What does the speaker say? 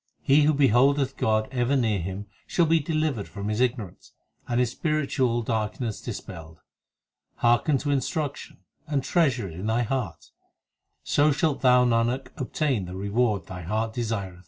He who beholdeth God ever near him, Shall be delivered from his ignorance, and his spiritual darkness dispelled. Hearken to instruction, and treasure it in thy heart, So shalt thou, Nanak, obtain the reward thy heart desireth.